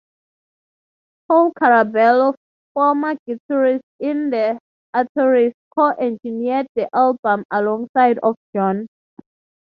Paul Carabello, former guitarist in The Ataris, co-engineered the album alongside of John.